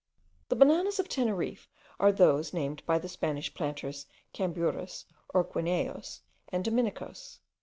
The bananas of Teneriffe are those named by the Spanish planters Camburis or Guineos, and Dominicos.